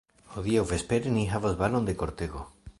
Hodiaŭ vespere ni havos balon de kortego!